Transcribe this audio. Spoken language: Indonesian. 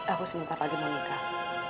aku sebentar lagi mau nikah